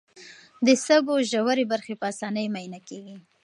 د سږو ژورې برخې په اسانۍ معاینه کېږي.